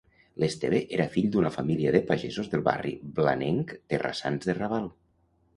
L'Esteve era fill d'una família de pagesos del barri blanenc Terrassans de Raval.